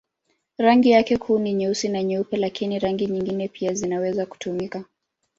Rangi yake kuu ni nyeusi na nyeupe, lakini rangi nyingine pia zinaweza kutumika.